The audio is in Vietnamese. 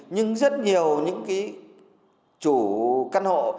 nhưng rất nhiều những chủ căn hộ